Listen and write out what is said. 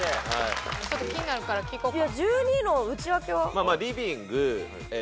ちょっと気になるから聞こうか。